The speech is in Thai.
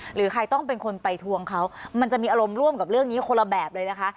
หรือใครต้องเป็นคนไปทวงเขามันจะมีอารมณ์ร่วมกับเรื่องนี้คนละแบบเลยนะคะ